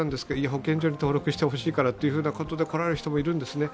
保健所に登録してほしいからということで来られる人も入るんですね。